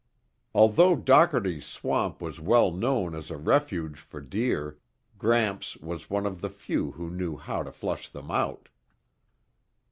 Although Dockerty's Swamp was well known as a refuge for deer, Gramps was one of the few who knew how to flush them out.